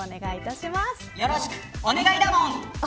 よろしく、お願いだもん。